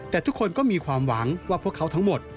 แต่ทุกคนก็มีความหวังว่าพวกเขาทั้งหมด